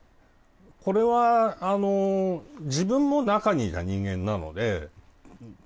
これは自分も中にいた人間なので。